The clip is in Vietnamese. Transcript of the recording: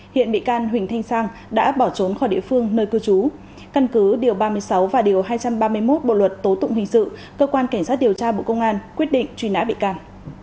hiện bị can huỳnh thanh sang đã bỏ trốn khỏi địa phương nơi cư trú căn cứ điều ba mươi sáu và điều hai trăm ba mươi một bộ luật tố tụng hình sự cơ quan cảnh sát điều tra bộ công an quyết định truy nã bị can